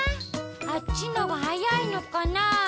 あっちのがはやいのかな。